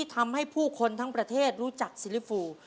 ทำให้ผู้คนทั้งประเทศรู้จักซิลิฟู